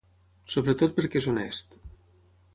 Sobretot perquè és honest.